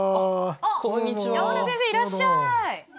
あっ山根先生いらっしゃい！